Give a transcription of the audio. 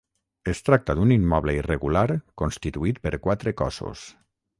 Es tracta d'un immoble irregular constituït per quatre cossos.